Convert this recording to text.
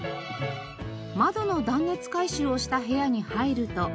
窓の断熱改修をした部屋に入ると。